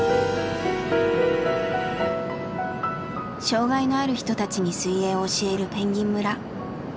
障害のある人たちに水泳を教える「ぺんぎん村」。